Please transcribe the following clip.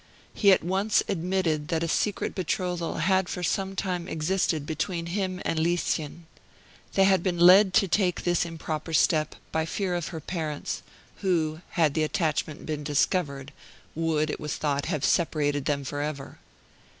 He at once admitted that a secret betrothal had for some time existed between him and Lieschen. They had been led to take this improper step by fear of her parents, who, had the attachment been discovered, would, it was thought, have separated them for ever.